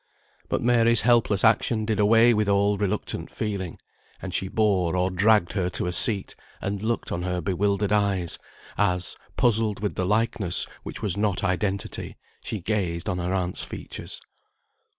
But Mary's helpless action did away with all reluctant feeling, and she bore or dragged her to a seat, and looked on her bewildered eyes, as, puzzled with the likeness, which was not identity, she gazed on her aunt's features.